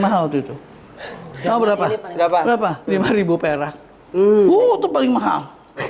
mahal itu berapa berapa lima ribu perak tuh paling mahal